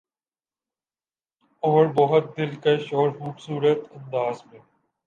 اور بہت دلکش اورخوبصورت انداز میں